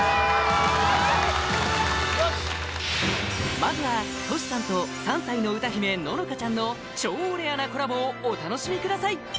まずはＴｏｓｈｌさんと３歳の歌姫・ののかちゃんの超レアなコラボをお楽しみください